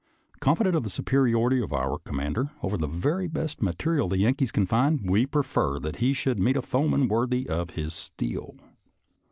Confident of the superiority of our commander over the very best material the Yankees can find, we prefer that he should meet a foeman worthy of his steel.